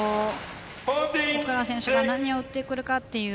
奥原選手が何を打ってくるかという。